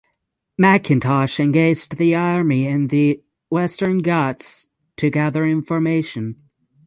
Mackintosh engaged the army in the Western Ghats to gather information.